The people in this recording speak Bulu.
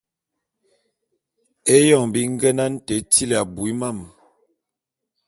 Éyoñg bi ngenane te tili abui mam...